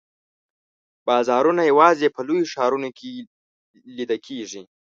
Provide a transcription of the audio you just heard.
بازارونه یوازي په لویو ښارونو کې لیده کیږي.